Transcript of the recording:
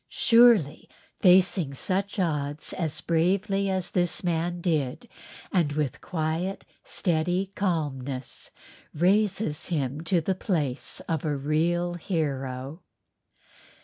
Surely facing such odds as bravely as this man did and with quiet steady calmness raises him to the place of a real hero.